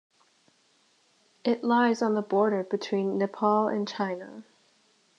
It lies on the border between Nepal and China.